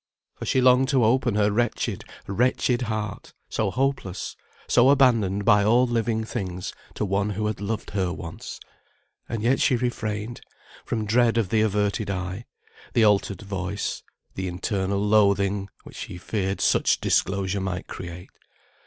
For she longed to open her wretched, wretched heart, so hopeless, so abandoned by all living things, to one who had loved her once; and yet she refrained, from dread of the averted eye, the altered voice, the internal loathing, which she feared such disclosure might create.